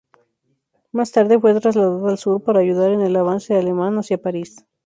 Más tarde fue trasladada al sur, para ayudar en el avance alemán hacia París.